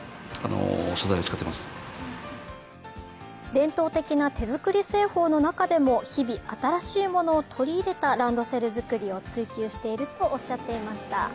伝統的な手作り製法の中でも日々新しいものを取り入れたランドセル作りを追求しているとおっしゃっていました。